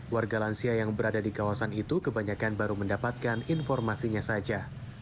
warga lansia yang berada di kawasan itu kebanyakan baru mendapatkan informasinya saja